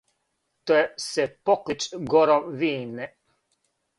Те се поклич гором вине,